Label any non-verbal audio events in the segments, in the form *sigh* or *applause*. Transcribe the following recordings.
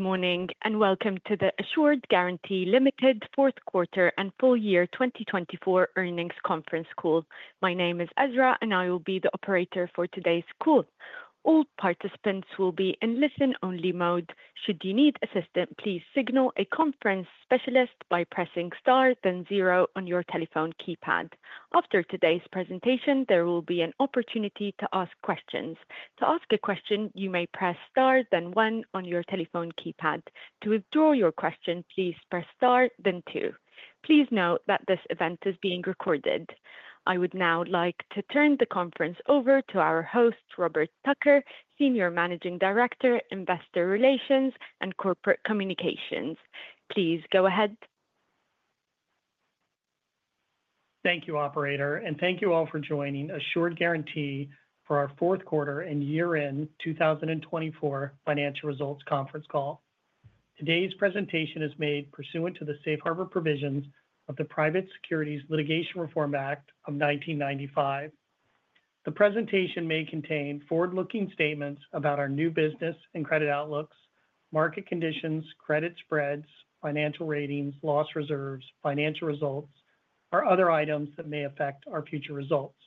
Good morning and welcome to the Assured Guaranty Limited Fourth Quarter and Full Year 2024 Earnings Conference Call. My name is Azra, and I will be the operator for today's call. All participants will be in listen-only mode. Should you need assistance, please signal a conference specialist by pressing star then zero on your telephone keypad. After today's presentation, there will be an opportunity to ask questions. To ask a question, you may press star then one on your telephone keypad. To withdraw your question, please press star then two. Please note that this event is being recorded. I would now like to turn the conference over to our host, Robert Tucker, Senior Managing Director, Investor Relations and Corporate Communications. Please go ahead. Thank you, Operator, and thank you all for joining Assured Guaranty for our fourth quarter and year-end 2024 financial results conference call. Today's presentation is made pursuant to the safe harbor provisions of the Private Securities Litigation Reform Act of 1995. The presentation may contain forward-looking statements about our new business and credit outlooks, market conditions, credit spreads, financial ratings, loss reserves, financial results, or other items that may affect our future results.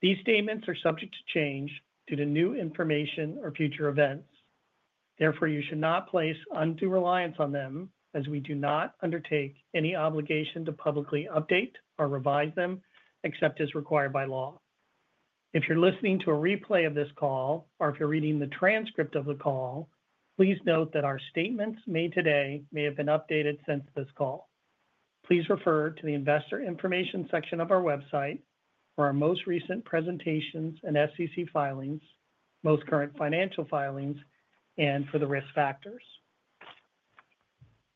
These statements are subject to change due to new information or future events. Therefore, you should not place undue reliance on them, as we do not undertake any obligation to publicly update or revise them except as required by law. If you're listening to a replay of this call, or if you're reading the transcript of the call, please note that our statements made today may have been updated since this call. Please refer to the investor information section of our website for our most recent presentations and SEC filings, most current financial filings, and for the risk factors.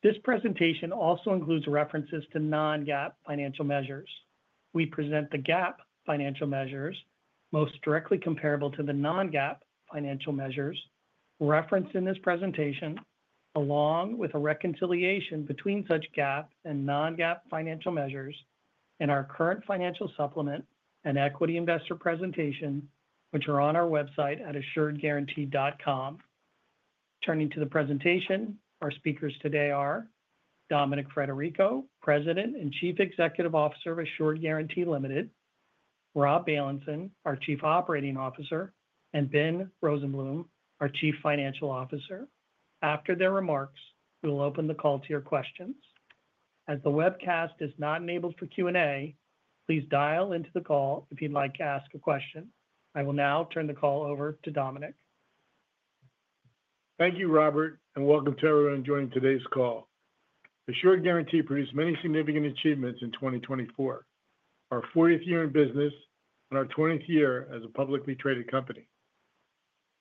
This presentation also includes references to non-GAAP financial measures. We present the GAAP financial measures most directly comparable to the non-GAAP financial measures referenced in this presentation, along with a reconciliation between such GAAP and non-GAAP financial measures in our current financial supplement and equity investor presentation, which are on our website at assuredguaranty.com. Turning to the presentation, our speakers today are Dominic Frederico, President and Chief Executive Officer of Assured Guaranty Limited, Rob Bailenson, our Chief Operating Officer, and Ben Rosenblum, our Chief Financial Officer. After their remarks, we will open the call to your questions. As the webcast is not enabled for Q&A, please dial into the call if you'd like to ask a question. I will now turn the call over to Dominic. Thank you, Robert, and welcome to everyone joining today's call. Assured Guaranty produced many significant achievements in 2024, our 40th year in business, and our 20th year as a publicly traded company.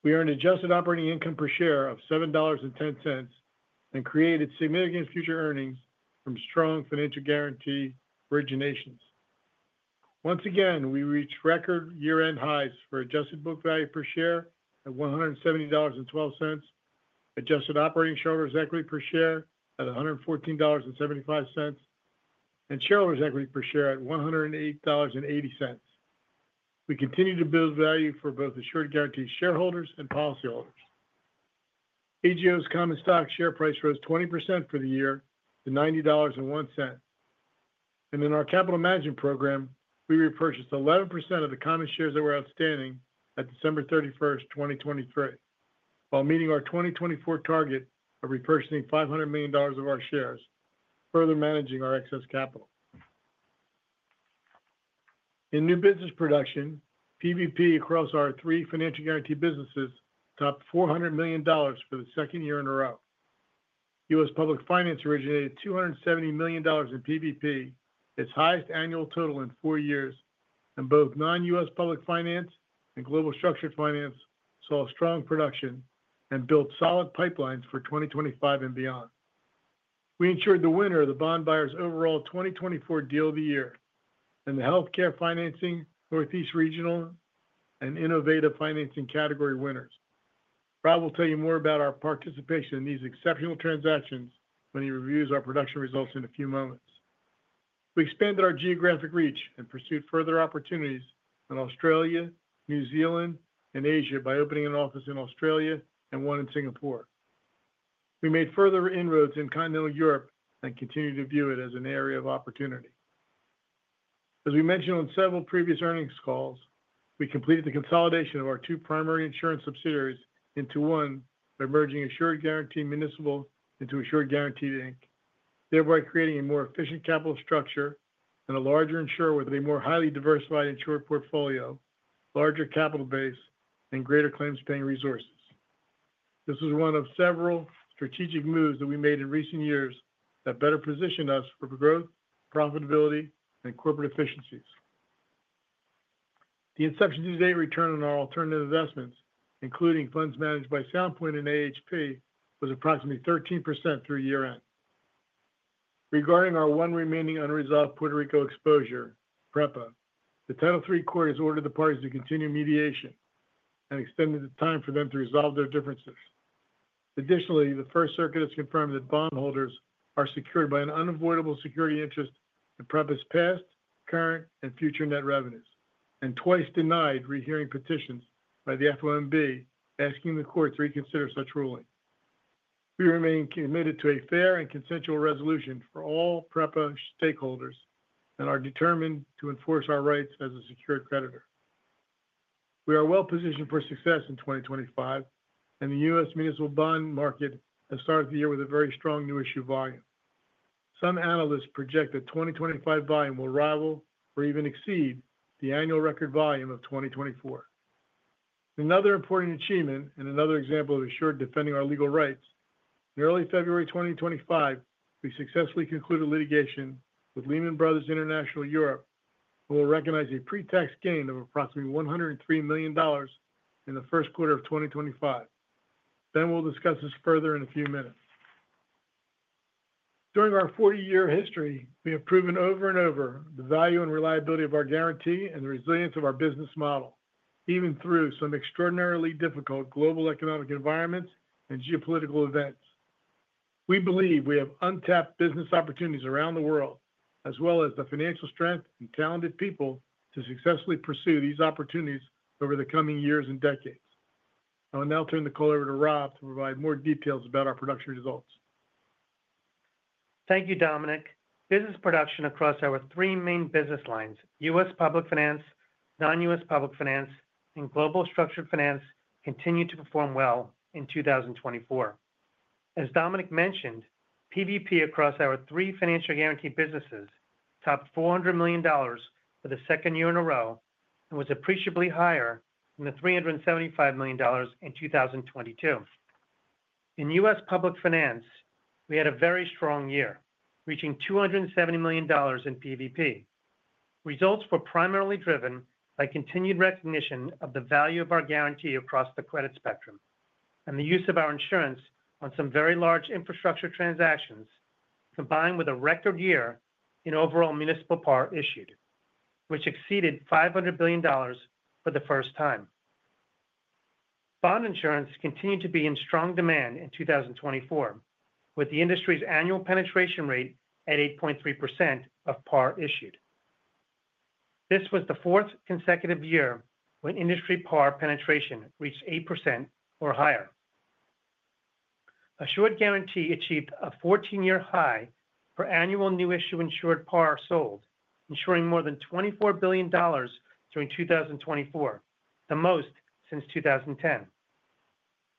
We earned adjusted operating income per share of $7.10 and created significant future earnings from strong financial guarantee originations. Once again, we reached record year-end highs for adjusted book value per share at $170.12, adjusted operating shareholders' equity per share at $114.75, and shareholders' equity per share at $108.80. We continue to build value for both Assured Guaranty shareholders and policyholders. AGO's common stock share price rose 20% for the year to $90.01. In our capital management program, we repurchased 11% of the common shares that were outstanding at December 31st, 2023, while meeting our 2024 target of repurchasing $500 million of our shares, further managing our excess capital. In new business production, PVP across our three financial guarantee businesses topped $400 million for the second year in a row. U.S. Public Finance originated $270 million in PVP, its highest annual total in four years, and both Non-U.S. Public Finance and Global Structured Finance saw strong production and built solid pipelines for 2025 and beyond. We insured the winner of the Bond Buyer's overall 2024 Deal of the Year and the Health Care Financing, Northeast Regional, and Innovative Financing category winners. Rob will tell you more about our participation in these exceptional transactions when he reviews our production results in a few moments. We expanded our geographic reach and pursued further opportunities in Australia, New Zealand, and Asia by opening an office in Australia and one in Singapore. We made further inroads in continental Europe and continue to view it as an area of opportunity. As we mentioned on several previous earnings calls, we completed the consolidation of our two primary insurance subsidiaries into one, by merging Assured Guaranty Municipal into Assured Guaranty Inc., thereby creating a more efficient capital structure and a larger insurer with a more highly diversified insurer portfolio, larger capital base, and greater claims-paying resources. This was one of several strategic moves that we made in recent years that better positioned us for growth, profitability, and corporate efficiencies. The inception to date return on our alternative investments, including funds managed by Sound Point and AHP, was approximately 13% through year-end. Regarding our one remaining unresolved Puerto Rico exposure, PREPA, the Title III Court has ordered the parties to continue mediation and extended the time for them to resolve their differences. Additionally, the First Circuit has confirmed that bondholders are secured by an unavoidable security interest in PREPA's past, current, and future net revenues, and twice denied rehearing petitions by the FOMB asking the Court to reconsider such ruling. We remain committed to a fair and consensual resolution for all PREPA stakeholders and are determined to enforce our rights as a secured creditor. We are well positioned for success in 2025, and the U.S. municipal bond market has started the year with a very strong new issue volume. Some analysts project that 2025 volume will rival or even exceed the annual record volume of 2024. Another important achievement and another example of Assured defending our legal rights: in early February 2025, we successfully concluded litigation with Lehman Brothers International (Europe), who will recognize a pre-tax gain of approximately $103 million in the first quarter of 2025. Ben will discuss this further in a few minutes. During our 40-year history, we have proven over and over the value and reliability of our guarantee and the resilience of our business model, even through some extraordinarily difficult global economic environments and geopolitical events. We believe we have untapped business opportunities around the world, as well as the financial strength and talented people to successfully pursue these opportunities over the coming years and decades. I will now turn the call over to Rob to provide more details about our production results. Thank you, Dominic. Business production across our three main business lines, U.S. Public Finance, Non-U.S. Public Finance, and Global Structured Finance, continued to perform well in 2024. As Dominic mentioned, PVP across our three financial guarantee businesses topped $400 million for the second year in a row and was appreciably higher than the $375 million in 2022. In U.S. Public Finance, we had a very strong year, reaching $270 million in PVP. Results were primarily driven by continued recognition of the value of our guarantee across the credit spectrum and the use of our insurance on some very large infrastructure transactions, combined with a record year in overall municipal PAR issued, which exceeded $500 billion for the first time. Bond insurance continued to be in strong demand in 2024, with the industry's annual penetration rate at 8.3% of PAR issued. This was the fourth consecutive year when industry PAR penetration reached 8% or higher. Assured Guaranty achieved a 14-year high for annual new issue insured PAR sold, ensuring more than $24 billion during 2024, the most since 2010.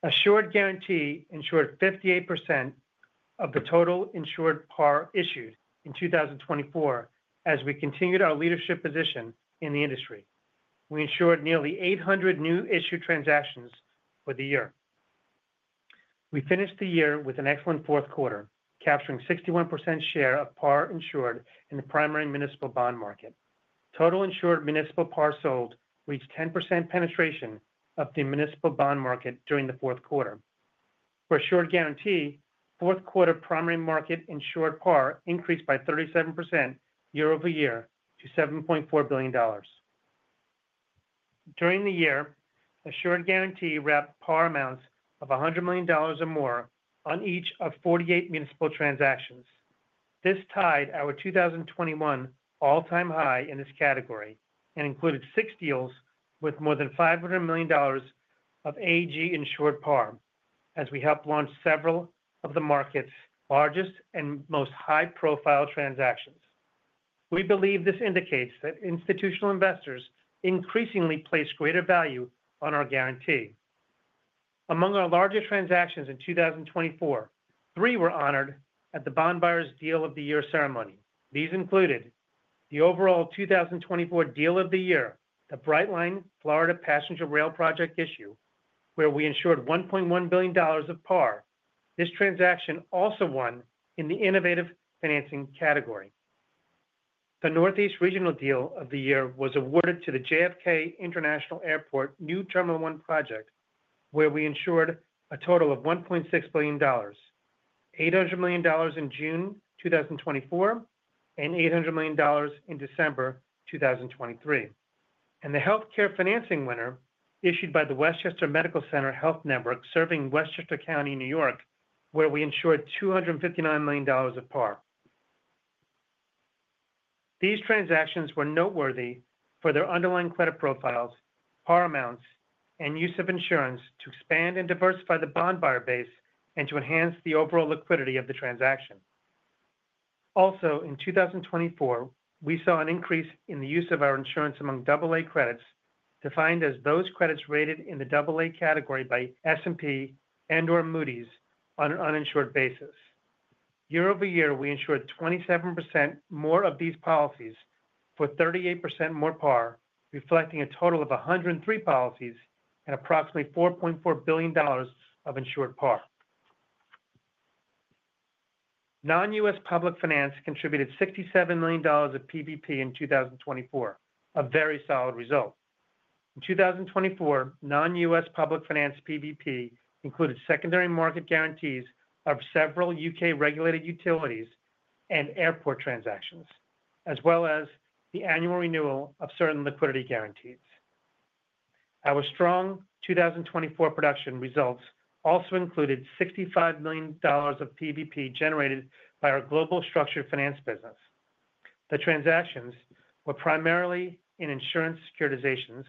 Assured Guaranty ensured 58% of the total insured PAR issued in 2024 as we continued our leadership position in the industry. We ensured nearly 800 new issue transactions for the year. We finished the year with an excellent fourth quarter, capturing 61% share of PAR insured in the primary municipal bond market. Total insured municipal PAR sold reached 10% penetration of the municipal bond market during the fourth quarter. For Assured Guaranty, fourth quarter primary market insured PAR increased by 37% year over year to $7.4 billion. During the year, Assured Guaranty wrapped PAR amounts of $100 million or more on each of 48 municipal transactions. This tied our 2021 all-time high in this category and included six deals with more than $500 million of AG insured PAR, as we helped launch several of the market's largest and most high-profile transactions. We believe this indicates that institutional investors increasingly place greater value on our guarantee. Among our larger transactions in 2024, three were honored at the Bond Buyer’s Deal of the Year ceremony. These included the overall 2024 Deal of the Year, the Brightline Florida Passenger Rail Project issue, where we insured $1.1 billion of PAR. This transaction also won in the Innovative Financing Category. The Northeast Regional Deal of the Year was awarded to the JFK International Airport New Terminal One project, where we insured a total of $1.6 billion, $800 million in June 2024 and $800 million in December 2023. The Health Care Financing winner issued by the Westchester Medical Center Health Network serving Westchester County, New York, where we insured $259 million of PAR. These transactions were noteworthy for their underlying credit profiles, PAR amounts, and use of insurance to expand and diversify the bond buyer base and to enhance the overall liquidity of the transaction. Also, in 2024, we saw an increase in the use of our insurance among AA credits, defined as those credits rated in the AA category by S&P and/or Moody's on an uninsured basis. Year over year, we insured 27% more of these policies for 38% more PAR, reflecting a total of 103 policies and approximately $4.4 billion of insured PAR. Non-U.S. Public Finance contributed $67 million of PVP in 2024, a very solid result. In 2024, Non-U.S. Public finance PVP included secondary market guarantees of several UK regulated utilities and airport transactions, as well as the annual renewal of certain liquidity guarantees. Our strong 2024 production results also included $65 million of PVP generated by our Global Structured Finance business. The transactions were primarily in insurance securitizations,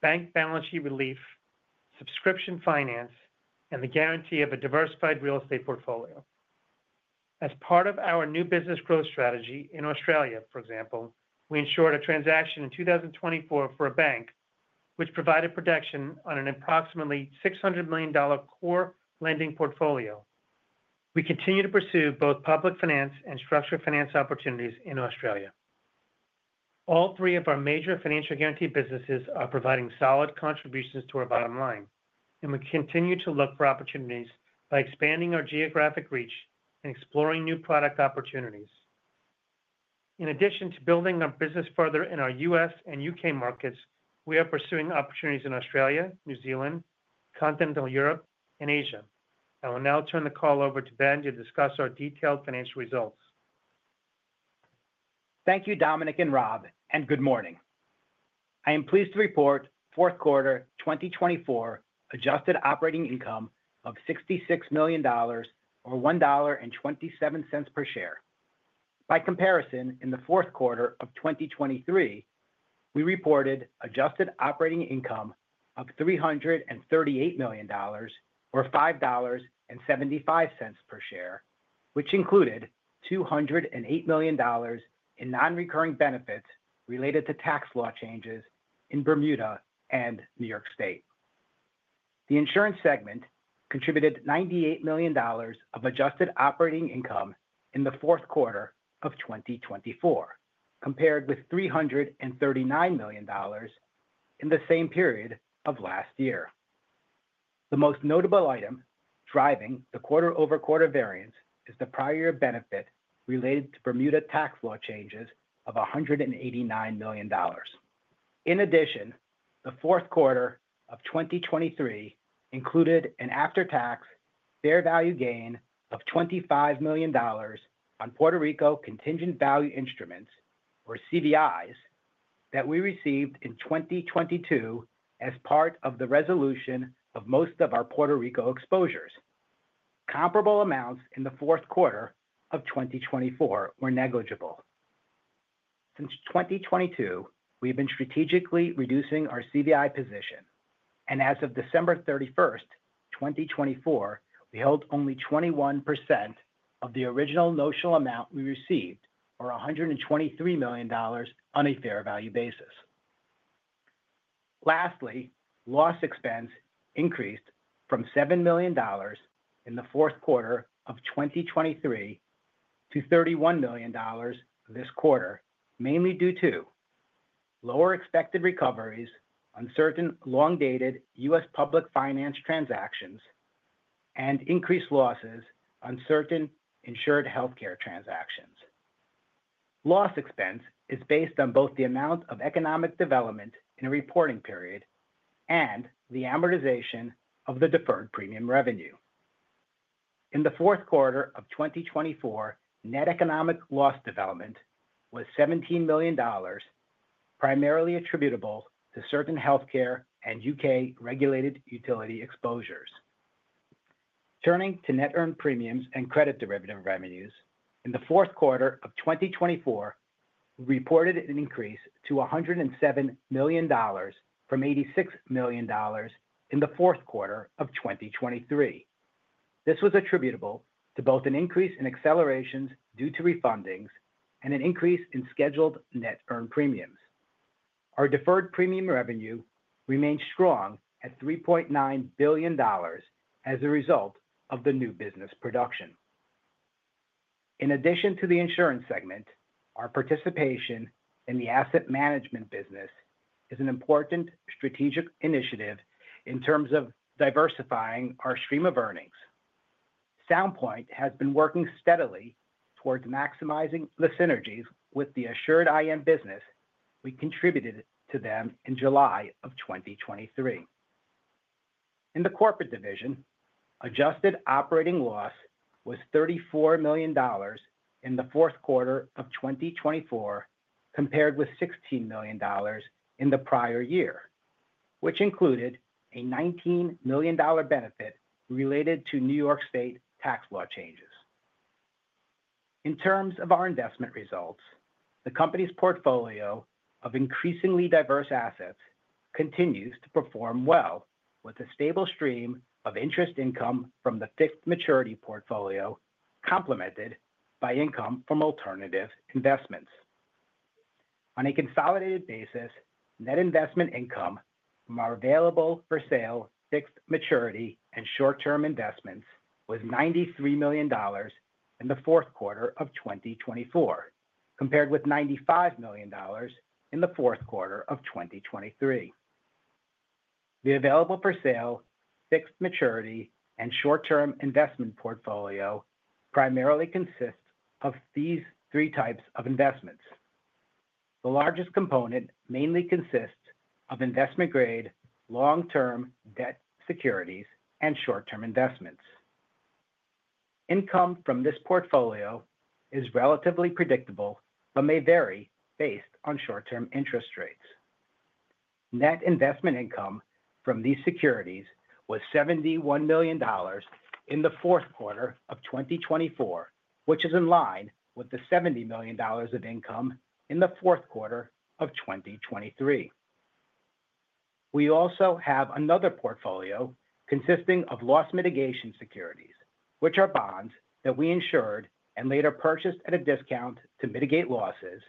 bank balance sheet relief, subscription finance, and the guarantee of a diversified real estate portfolio. As part of our new business growth strategy in Australia, for example, we insured a transaction in 2024 for a bank, which provided protection on an approximately $600 million core lending portfolio. We continue to pursue both public finance and structured finance opportunities in Australia. All three of our major financial guarantee businesses are providing solid contributions to our bottom line, and we continue to look for opportunities by expanding our geographic reach and exploring new product opportunities. In addition to building our business further in our U.S. and U.K. markets, we are pursuing opportunities in Australia, New Zealand, continental Europe, and Asia. I will now turn the call over to Ben to discuss our detailed financial results. Thank you, Dominic and Rob, and good morning. I am pleased to report fourth quarter 2024 adjusted operating income of $66 million, or $1.27 per share. By comparison, in the fourth quarter of 2023, we reported adjusted operating income of $338 million, or $5.75 per share, which included $208 million in non-recurring benefits related to tax law changes in Bermuda and New York State. The insurance segment contributed $98 million of adjusted operating income in the fourth quarter of 2024, compared with $339 million in the same period of last year. The most notable item driving the quarter-over-quarter variance is the prior year benefit related to Bermuda tax law changes of $189 million. In addition, the fourth quarter of 2023 included an after-tax fair value gain of $25 million on Puerto Rico contingent value instruments, or CVIs, that we received in 2022 as part of the resolution of most of our Puerto Rico exposures. Comparable amounts in the fourth quarter of 2024 were negligible. Since 2022, we have been strategically reducing our CVI position, and as of December 31st, 2024, we held only 21% of the original notional amount we received, or $123 million on a fair value basis. Lastly, loss expense increased from $7 million in the fourth quarter of 2023 to $31 million this quarter, mainly due to lower expected recoveries on certain long-dated U.S. Public Finance transactions and increased losses on certain insured Health Care transactions. Loss expense is based on both the amount of economic development in a reporting period and the amortization of the deferred premium revenue. In the fourth quarter of 2024, net economic loss development was $17 million, primarily attributable to certain Health Care and UK regulated utility exposures. Turning to net earned premiums and credit derivative revenues, in the fourth quarter of 2024, we reported an increase to $107 million from $86 million in the fourth quarter of 2023. This was attributable to both an increase in accelerations due to refundings and an increase in scheduled net earned premiums. Our deferred premium revenue remained strong at $3.9 billion as a result of the new business production. In addition to the insurance segment, our participation in the asset management business is an important strategic initiative in terms of diversifying our stream of earnings. Sound Point has been working steadily towards maximizing the synergies with the Assured IM business we contributed to them in July of 2023. In the corporate division, adjusted operating loss was $34 million in the fourth quarter of 2024, compared with $16 million in the prior year, which included a $19 million benefit related to New York State tax law changes. In terms of our investment results, the company's portfolio of increasingly diverse assets continues to perform well, with a stable stream of interest income from the fixed maturity portfolio complemented by income from alternative investments. On a consolidated basis, net investment income from our available for sale fixed maturity and short-term investments was $93 million in the fourth quarter of 2024, compared with $95 million in the fourth quarter of 2023. The available for sale fixed maturity and short-term investment portfolio primarily consists of these three types of investments. The largest component mainly consists of investment-grade long-term debt securities and short-term investments. Income from this portfolio is relatively predictable but may vary based on short-term interest rates. Net investment income from these securities was $71 million in the fourth quarter of 2024, which is in line with the $70 million of income in the fourth quarter of 2023. We also have another portfolio consisting of loss mitigation securities, which are bonds that we insured and later purchased at a discount to mitigate losses,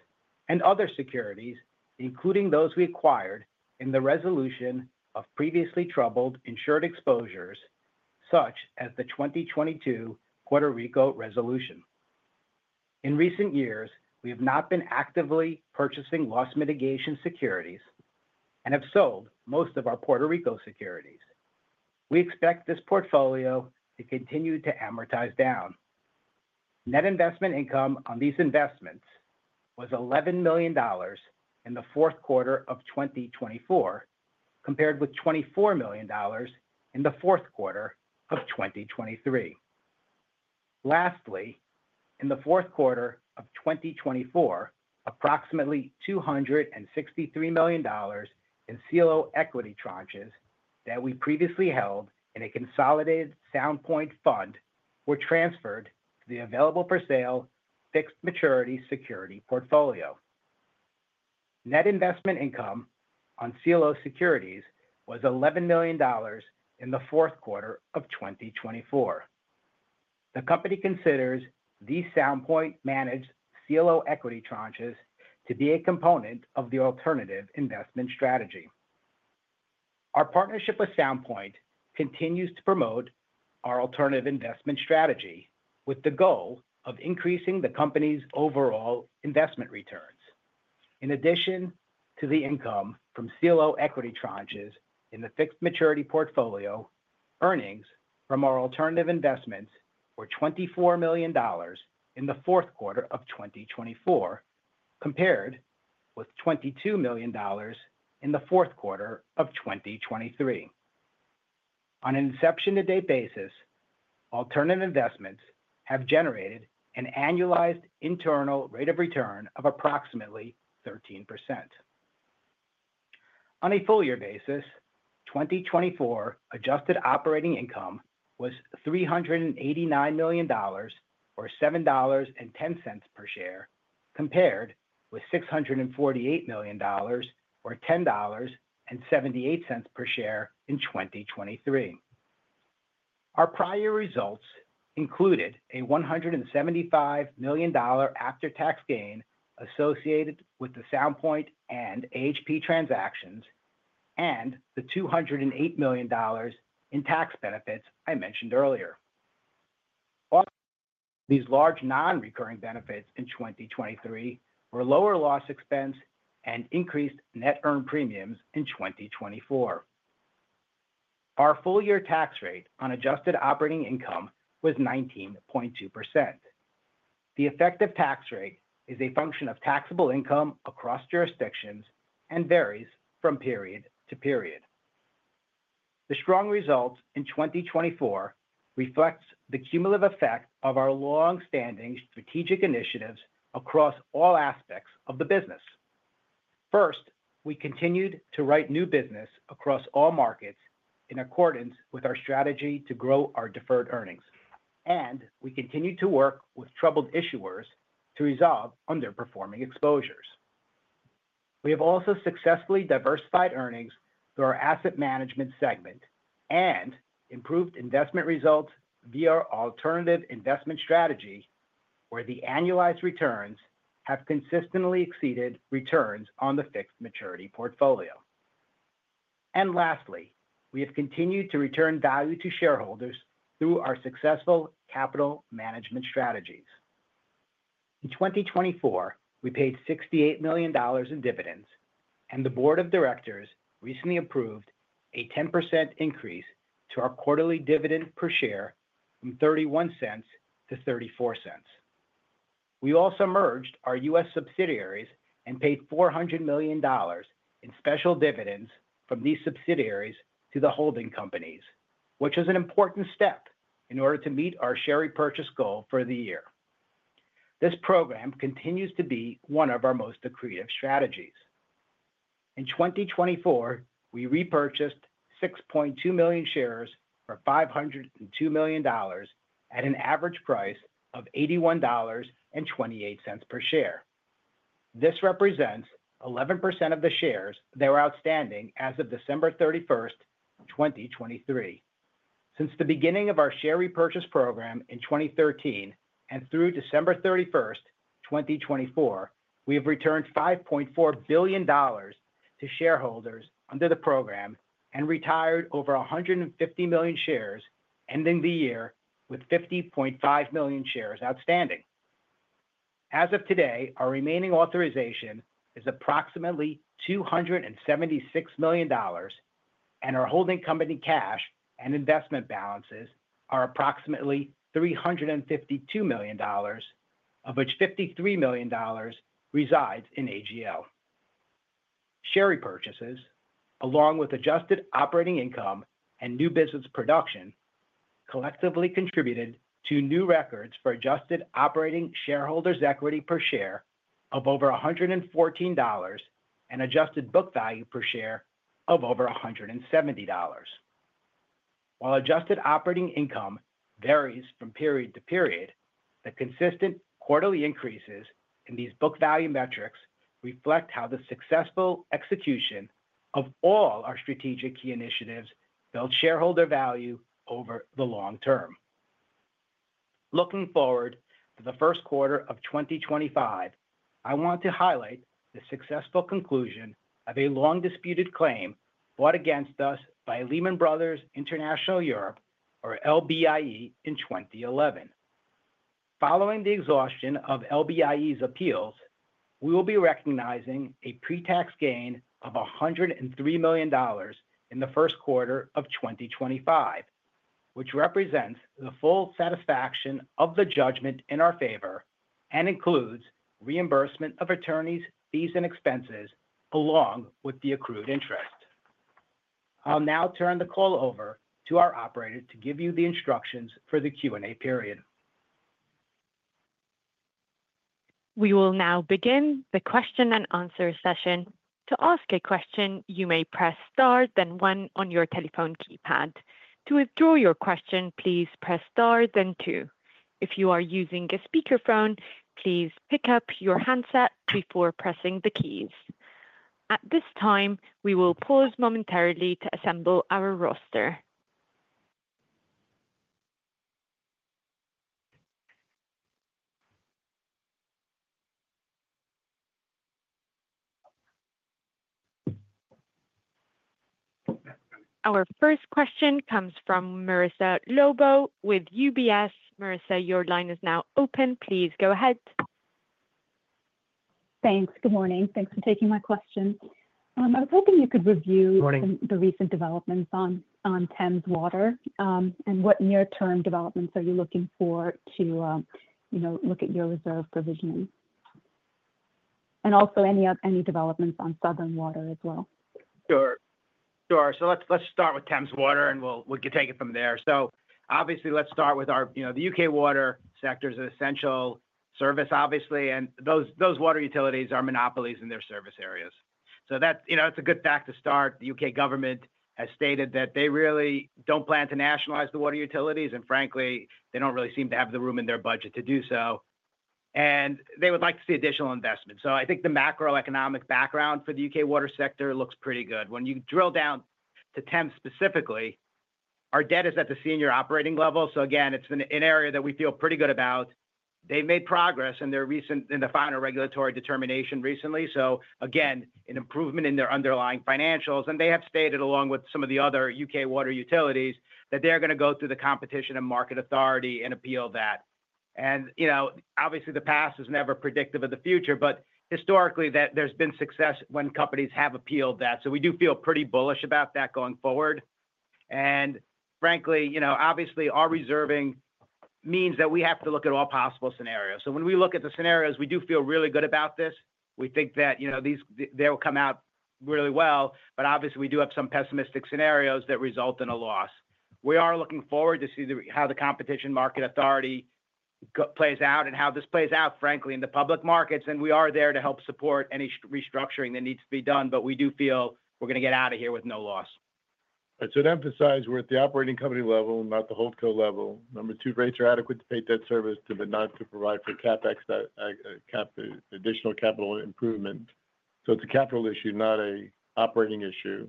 and other securities, including those we acquired in the resolution of previously troubled insured exposures, such as the 2022 Puerto Rico resolution. In recent years, we have not been actively purchasing loss mitigation securities and have sold most of our Puerto Rico securities. We expect this portfolio to continue to amortize down. Net investment income on these investments was $11 million in the fourth quarter of 2024, compared with $24 million in the fourth quarter of 2023. Lastly, in the fourth quarter of 2024, approximately $263 million in CLO equity tranches that we previously held in a consolidated Sound Point fund were transferred to the available for sale fixed maturity security portfolio. Net investment income on CLO securities was $11 million in the fourth quarter of 2024. The company considers these Sound Point managed CLO equity tranches to be a component of the alternative investment strategy. Our partnership with Sound Point continues to promote our alternative investment strategy with the goal of increasing the company's overall investment returns. In addition to the income from CLO equity tranches in the fixed maturity portfolio, earnings from our alternative investments were $24 million in the fourth quarter of 2024, compared with $22 million in the fourth quarter of 2023. On an inception-to-date basis, alternative investments have generated an annualized internal rate of return of approximately 13%. On a full-year basis, 2024 adjusted operating income was $389 million, or $7.10 per share, compared with $648 million, or $10.78 per share in 2023. Our prior results included a $175 million after-tax gain associated with the Sound Point and AHP transactions and the $208 million in tax benefits I mentioned earlier. These large non-recurring benefits in 2023 were lower loss expense and increased net earned premiums in 2024. Our full-year tax rate on adjusted operating income was 19.2%. The effective tax rate is a function of taxable income across jurisdictions and varies from period to period. The strong results in 2024 reflect the cumulative effect of our long-standing strategic initiatives across all aspects of the business. First, we continued to write new business across all markets in accordance with our strategy to grow our deferred earnings, and we continued to work with troubled issuers to resolve underperforming exposures. We have also successfully diversified earnings through our asset management segment and improved investment results via our alternative investment strategy, where the annualized returns have consistently exceeded returns on the fixed maturity portfolio. And lastly, we have continued to return value to shareholders through our successful capital management strategies. In 2024, we paid $68 million in dividends, and the board of directors recently approved a 10% increase to our quarterly dividend per share from $0.31 to $0.34. We also merged our U.S. subsidiaries and paid $400 million in special dividends from these subsidiaries to the holding companies, which was an important step in order to meet our share repurchase goal for the year. This program continues to be one of our most accretive strategies. In 2024, we repurchased 6.2 million shares for $502 million at an average price of $81.28 per share. This represents 11% of the shares that were outstanding as of December 31, 2023. Since the beginning of our share repurchase program in 2013 and through December 31, 2024, we have returned $5.4 billion to shareholders under the program and retired over 150 million shares, ending the year with 50.5 million shares outstanding. As of today, our remaining authorization is approximately $276 million, and our holding company cash and investment balances are approximately $352 million, of which $53 million resides in AGL. Share repurchases, along with adjusted operating income and new business production, collectively contributed to new records for adjusted operating shareholders' equity per share of over $114 and adjusted book value per share of over $170. While adjusted operating income varies from period to period, the consistent quarterly increases in these book value metrics reflect how the successful execution of all our strategic key initiatives build shareholder value over the long term. Looking forward to the first quarter of 2025, I want to highlight the successful conclusion of a long-disputed claim fought against us by Lehman Brothers International (Europe), or LBIE, in 2011. Following the exhaustion of LBIE's appeals, we will be recognizing a pre-tax gain of $103 million in the first quarter of 2025, which represents the full satisfaction of the judgment in our favor and includes reimbursement of attorney's fees and expenses along with the accrued interest. I'll now turn the call over to our operator to give you the instructions for the Q&A period. We will now begin the question and answer session. To ask a question, you may press star then one on your telephone keypad. To withdraw your question, please press star then two. If you are using a speakerphone, please pick up your handset before pressing the keys. At this time, we will pause momentarily to assemble our roster. Our first question comes from Marisa Lobo with UBS. Marisa, your line is now open. Please go ahead. Thanks. Good morning. Thanks for taking my question. I was hoping you could review the recent developments on Thames Water and what near-term developments are you looking for to look at your reserve provisioning and also any developments on Southern Water as well. Sure. Sure. So let's start with Thames Water, and we'll take it from there. So obviously, let's start with the UK water sector as an essential service, obviously, and those water utilities are monopolies in their service areas. So that's a good fact to start. The U.K. government has stated that they really don't plan to nationalize the water utilities, and frankly, they don't really seem to have the room in their budget to do so. And they would like to see additional investment. So I think the macroeconomic background for the U.K. water sector looks pretty good. When you drill down to Thames specifically, our debt is at the senior operating level. So again, it's an area that we feel pretty good about. They've made progress in their final regulatory determination recently. So again, an improvement in their underlying financials. And they have stated, along with some of the other U.K. water utilities, that they're going to go through the Competition and Markets Authority and appeal that. And obviously, the past is never predictive of the future, but historically, there's been success when companies have appealed that. So we do feel pretty bullish about that going forward. And frankly, obviously, our reserving means that we have to look at all possible scenarios. So when we look at the scenarios, we do feel really good about this. We think that they will come out really well, but obviously, we do have some pessimistic scenarios that result in a loss. We are looking forward to see how the Competition and Markets Authority plays out and how this plays out, frankly, in the public markets. And we are there to help support any restructuring that needs to be done, but we do feel we're going to get out of here with no loss. To emphasize, we're at the operating company level, not the holdco level. Number two, rates are adequate to pay debt service but not to provide for additional capital improvement. So it's a capital issue, not an operating issue.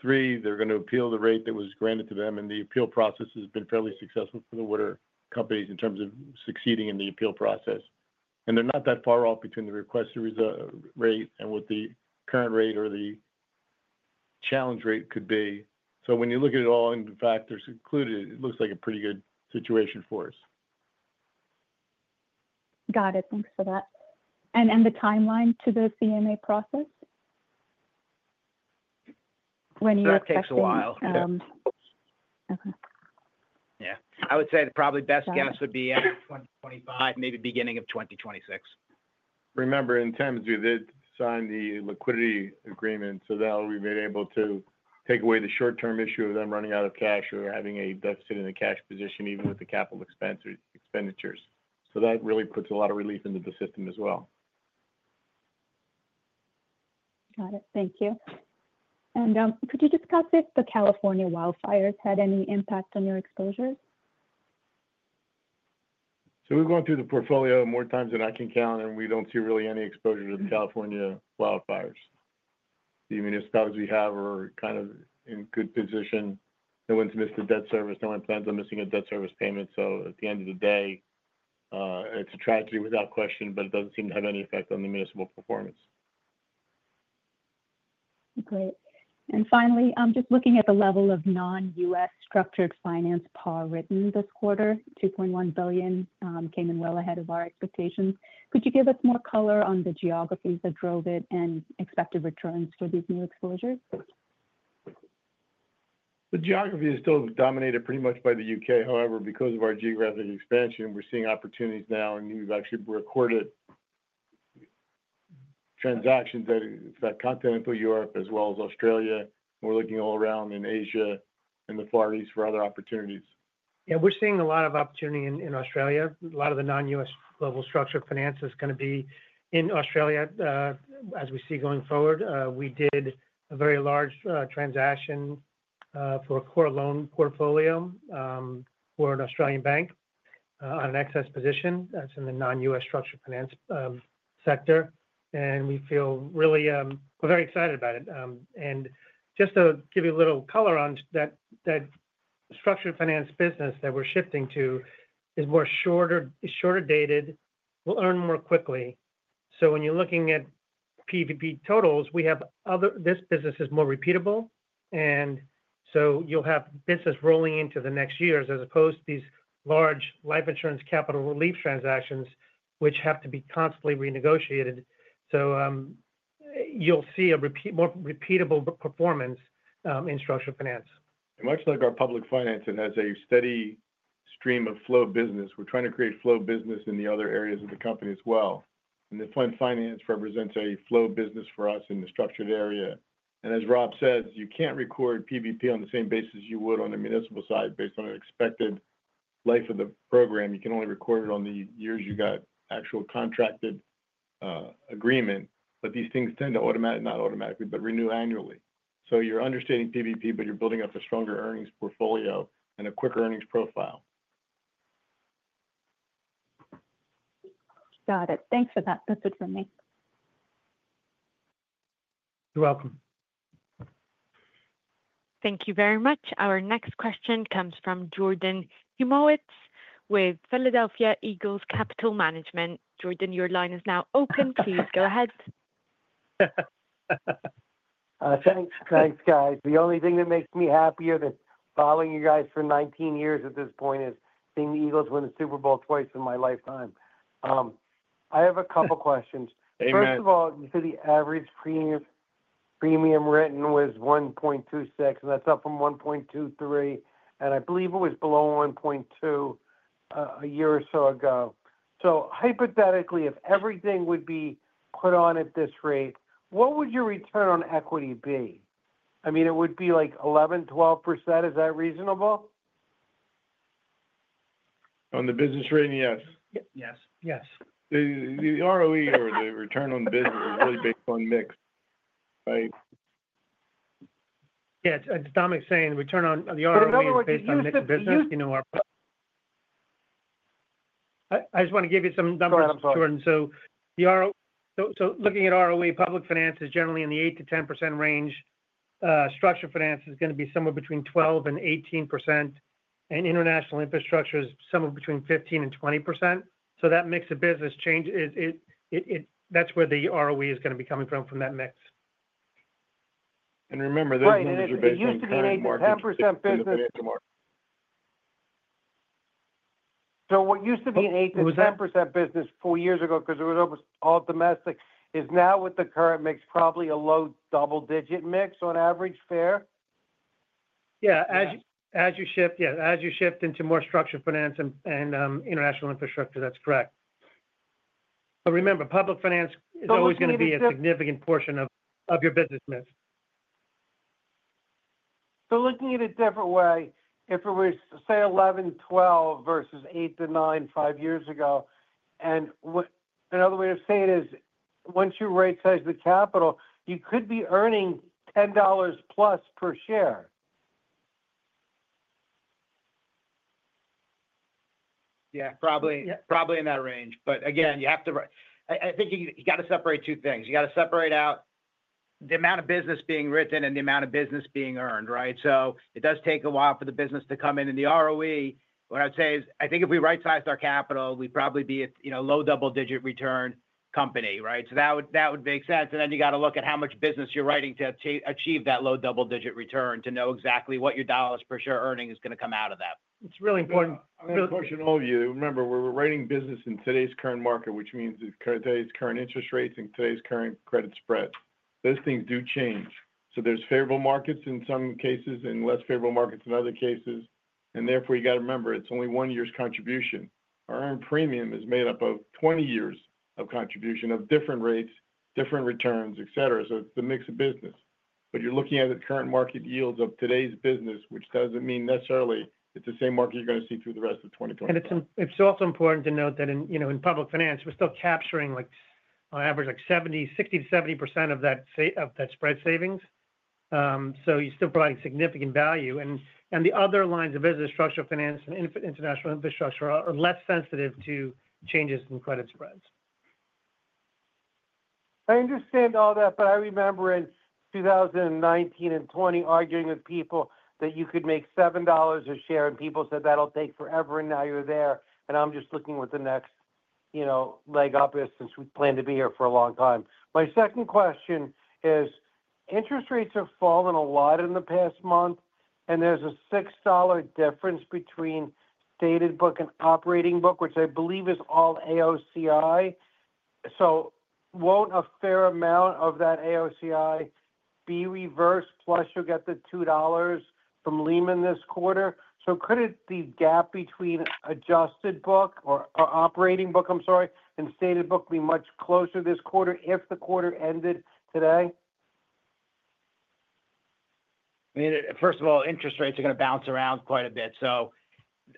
Three, they're going to appeal the rate that was granted to them, and the appeal process has been fairly successful for the water companies in terms of succeeding in the appeal process. And they're not that far off between the requested rate and what the current rate or the challenge rate could be. So when you look at it all and the factors included, it looks like a pretty good situation for us. Got it. Thanks for that. And the timeline to the CMA process? When you expect to see it? That takes a while. Yeah. I would say the probably best guess would be end of 2025, maybe beginning of 2026. Remember, in Thames we did sign the liquidity agreement, so that way we've been able to take away the short-term issue of them running out of cash or having a deficit in the cash position even with the capital expenditures. So that really puts a lot of relief into the system as well. Got it. Thank you. And could you discuss if the California wildfires had any impact on your exposures? So we've gone through the portfolio more times than I can count, and we don't see really any exposure to the California wildfires. The municipalities we have are kind of in good position. No one's missed a debt service. No one plans on missing a debt service payment. So at the end of the day, it's a tragedy without question, but it doesn't seem to have any effect on the municipal performance. Great. Finally, just looking at the level of non-U.S. structured finance PAR written this quarter, $2.1 billion came in well ahead of our expectations. Could you give us more color on the geographies that drove it and expected returns for these new exposures? The geography is still dominated pretty much by the U.K. However, because of our geographic expansion, we're seeing opportunities now, and we've actually recorded transactions in Continental Europe as well as Australia. We're looking all around in Asia and the Far East for other opportunities. Yeah, we're seeing a lot of opportunity in Australia. A lot of the Non-U.S. Global Structured Finance is going to be in Australia as we see going forward. We did a very large transaction for a core loan portfolio for an Australian bank on an excess position. That's in the non-U.S. structured finance sector. And we feel really, we're very excited about it. And just to give you a little color on that structured finance business that we're shifting to is more shorter dated. We'll earn more quickly. So when you're looking at PVP totals, we have this business is more repeatable. And so you'll have business rolling into the next years as opposed to these large life insurance capital relief transactions, which have to be constantly renegotiated. So you'll see a more repeatable performance in structured finance. And much like our public finance, it has a steady stream of flow business. We're trying to create flow business in the other areas of the company as well. And the fund finance represents a flow business for us in the structured area. And as Rob says, you can't record PVP on the same basis you would on the municipal side based on an expected life of the program. You can only record it on the years you got actual contracted agreement. But these things tend to automatic not automatically, but renew annually. So you're understating PVP, but you're building up a stronger earnings portfolio and a quicker earnings profile. Got it. Thanks for that. That's it from me. You're welcome. Thank you very much. Our next question comes from Jordan Hymowitz with Philadelphia Financial Management. Jordan, your line is now open. Please go ahead. Thanks, guys. The only thing that makes me happier than following you guys for 19 years at this point is seeing the Eagles win the Super Bowl twice in my lifetime. I have a couple of questions. First of all, you said the average premium written was 1.26, and that's up from 1.23. And I believe it was below 1.2 a year or so ago. So hypothetically, if everything would be put on at this rate, what would your return on equity be? I mean, it would be like 11-12%. Is that reasonable? On the business rating, yes. Yes. Yes. The ROE or the return on business is really based on mix, right? Yeah. Dominic's saying return on the *crosstalk* I just want to give you some numbers, Jordan. So looking at ROE, public finance is generally in the 8-10% range. Structured finance is going to be somewhere between 12-18%. And international infrastructure is somewhere between 15-20%. That mix of business changes, that's where the ROE is going to be coming from that mix. And remember, this news is based on the 10% business. So what used to be an 8%-10% business four years ago because it was almost all domestic is now with the current mix probably a low double-digit mix on average, fair? Yeah. As you shift into more structured finance and international infrastructure, that's correct. But remember, public finance is always going to be a significant portion of your business mix. So looking at it a different way, if it was, say, 11%-12% versus 8%-9% five years ago, and another way of saying it is once you right-size the capital, you could be earning $10 plus per share. Yeah. Probably in that range. But again, you have to, I think you got to separate two things. You got to separate out the amount of business being written and the amount of business being earned, right? So it does take a while for the business to come in. And the ROE, what I'd say is I think if we right-sized our capital, we'd probably be a low double-digit return company, right? So that would make sense. And then you got to look at how much business you're writing to achieve that low double-digit return to know exactly what your dollars per share earning is going to come out of that. It's really important. I'm going to question all of you. Remember, we're writing business in today's current market, which means today's current interest rates and today's current credit spread. Those things do change. So there's favorable markets in some cases and less favorable markets in other cases. And therefore, you got to remember, it's only one year's contribution. Our earned premium is made up of 20 years of contribution of different rates, different returns, etc. So it's the mix of business. But you're looking at the current market yields of today's business, which doesn't mean necessarily it's the same market you're going to see through the rest of 2025. And it's also important to note that in public finance, we're still capturing on average 60%-70% of that spread savings. So you're still providing significant value. And the other lines of business, structured finance and international infrastructure, are less sensitive to changes in credit spreads. I understand all that, but I remember in 2019 and 2020 arguing with people that you could make $7 a share, and people said, "That'll take forever," and now you're there. I'm just looking with the next leg up since we plan to be here for a long time. My second question is, interest rates have fallen a lot in the past month, and there's a $6 difference between stated book and operating book, which I believe is all AOCI. So won't a fair amount of that AOCI be reversed? Plus, you'll get the $2 from Lehman this quarter. So could the gap between adjusted book or operating book, I'm sorry, and stated book be much closer this quarter if the quarter ended today? I mean, first of all, interest rates are going to bounce around quite a bit. So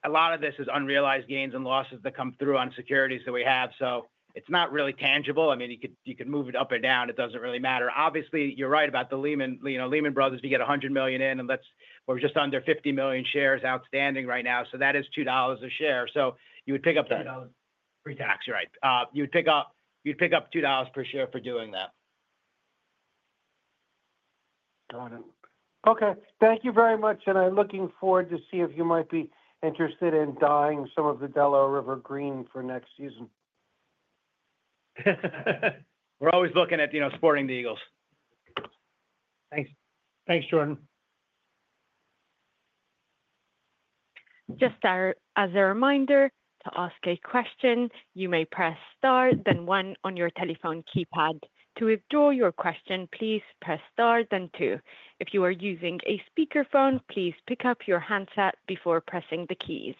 a lot of this is unrealized gains and losses that come through on securities that we have. So it's not really tangible. I mean, you could move it up or down. It doesn't really matter. Obviously, you're right about the Lehman Brothers. We get $100 million in, and we're just under 50 million shares outstanding right now. So that is $2 a share. So you would pick up that. $2 pre-tax. You're right. You'd pick up $2 per share for doing that. Got it. Okay. Thank you very much. And I'm looking forward to see if you might be interested in dyeing some of the Delaware River Green for next season. We're always looking at sporting the Eagles. Thanks. Thanks, Jordan. To start, as a reminder to ask a question, you may press star, then one on your telephone keypad. To withdraw your question, please press star, then two. If you are using a speakerphone, please pick up your handset before pressing the keys.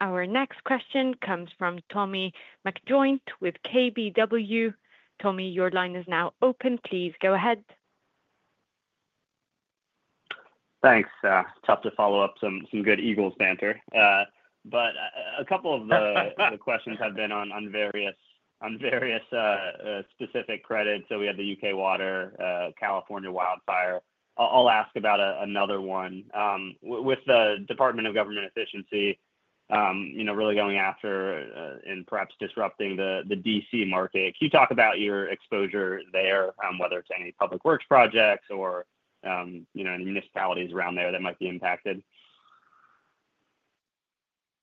Our next question comes from Tommy McJoynt with KBW. Tommy, your line is now open. Please go ahead. Thanks. Tough to follow up some good Eagles banter, but a couple of the questions have been on various specific credits, so we have the U.K. Water, California Wildfire. I'll ask about another one. With the Department of Government Efficiency really going after and perhaps disrupting the D.C. market, can you talk about your exposure there, whether it's any public works projects or any municipalities around there that might be impacted?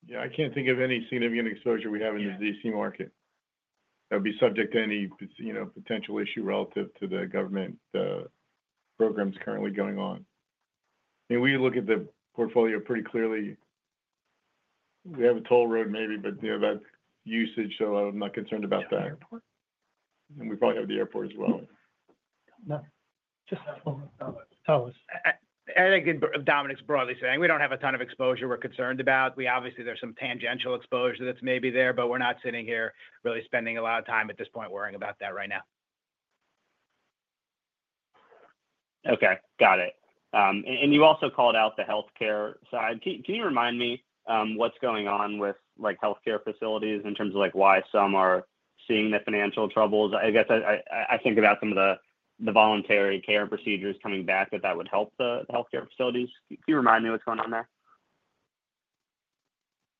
Yeah. I can't think of any significant exposure we have in the D.C. market. That would be subject to any potential issue relative to the government programs currently going on. I mean, we look at the portfolio pretty clearly. We have a toll road maybe, but that's usage, so I'm not concerned about that, and we probably have the airport as well. Just tell us. I think Dominic's broadly saying we don't have a ton of exposure we're concerned about. Obviously, there's some tangential exposure that's maybe there, but we're not sitting here really spending a lot of time at this point worrying about that right now. Okay. Got it, and you also called out the healthcare side. Can you remind me what's going on with healthcare facilities in terms of why some are seeing the financial troubles? I guess I think about some of the voluntary care and procedures coming back that would help the healthcare facilities. Can you remind me what's going on there?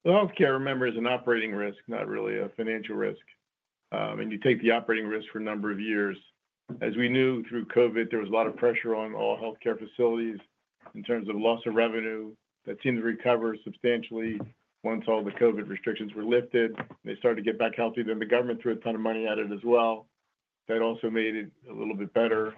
The healthcare, remember, is an operating risk, not really a financial risk, and you take the operating risk for a number of years. As we knew through COVID, there was a lot of pressure on all healthcare facilities in terms of loss of revenue. That seemed to recover substantially once all the COVID restrictions were lifted. They started to get back healthy. Then the government threw a ton of money at it as well. That also made it a little bit better.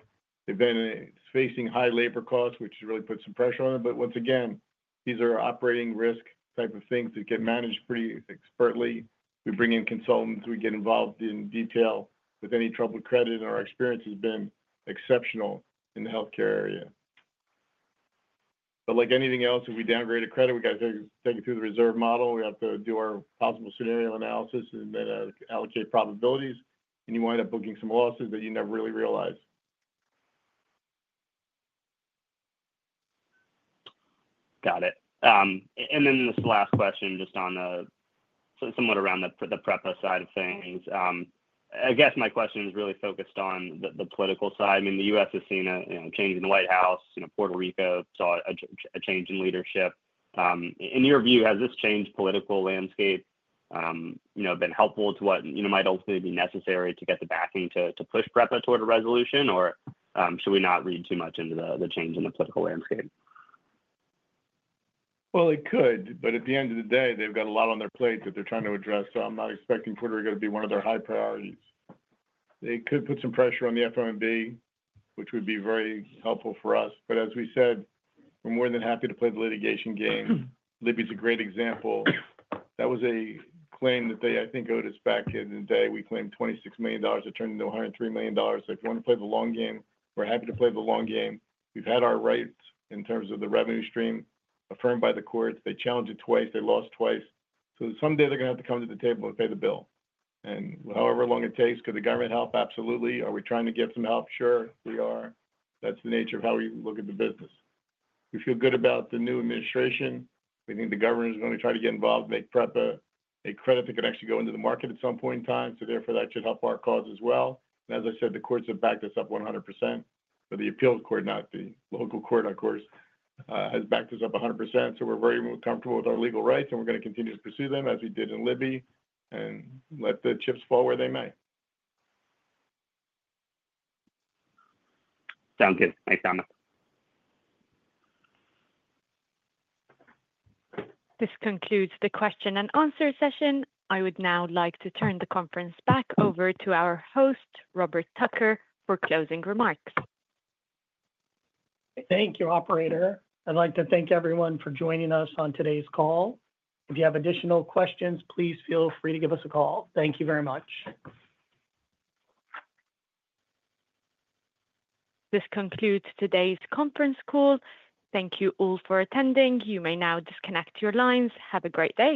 They've been facing high labor costs, which really puts some pressure on it. But once again, these are operating risk type of things that get managed pretty expertly. We bring in consultants. We get involved in detail with any troubled credit. And our experience has been exceptional in the healthcare area. But like anything else, if we downgrade a credit, we got to take it through the reserve model. We have to do our possible scenario analysis and then allocate probabilities. And you wind up booking some losses that you never really realize. Got it. And then this last question just on somewhat around the PREPA side of things. I guess my question is really focused on the political side. I mean, the U.S. has seen a change in the White House. Puerto Rico saw a change in leadership. In your view, has this changed political landscape been helpful to what might ultimately be necessary to get the backing to push PREPA toward a resolution? Or should we not read too much into the change in the political landscape? It could. But at the end of the day, they've got a lot on their plate that they're trying to address. So I'm not expecting Puerto Rico to be one of their high priorities. They could put some pressure on the FOMB, which would be very helpful for us. But as we said, we're more than happy to play the litigation game. LBIE's a great example. That was a claim that they, I think, owed us back in the day. We claimed $26 million that turned into $103 million. So if you want to play the long game, we're happy to play the long game. We've had our rights in terms of the revenue stream affirmed by the courts. They challenged it twice. They lost twice. So someday they're going to have to come to the table and pay the bill. And however long it takes, could the government help? Absolutely. Are we trying to get some help? Sure, we are. That's the nature of how we look at the business. We feel good about the new administration. We think the governor is going to try to get involved, make PREPA a credit that can actually go into the market at some point in time. So therefore, that should help our cause as well. And as I said, the courts have backed us up 100%. But the appeals court, not the local court, of course, has backed us up 100%. So we're very comfortable with our legal rights, and we're going to continue to pursue them as we did in LBIE and let the chips fall where they may. Sounds good. Thanks, Dominic. This concludes the question and answer session. I would now like to turn the conference back over to our host, Robert Tucker, for closing remarks. Thank you, Operator. I'd like to thank everyone for joining us on today's call. If you have additional questions, please feel free to give us a call. Thank you very much. This concludes today's conference call. Thank you all for attending. You may now disconnect your lines. Have a great day.